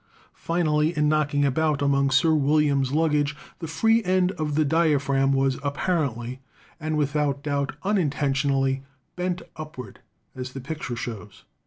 Finally, in knocking about among Sir William's luggage, the free end of the diaphragm was apparently, and without doubt uninten tionally, bent upward, as the picture shows.